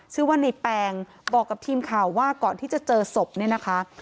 ชื่อว่าในแปงบอกกับทีมข่าวว่าก่อนที่จะเจอศพเนี่ยนะคะ